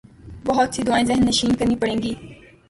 بہت سی دعائیں ذہن نشین کرنی پڑیں گی۔